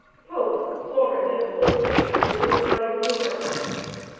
Pope, florid and full faced, was in a fine humor.